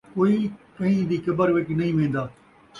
کئی کئیں دی قبر ءِچ نئیں وین٘دا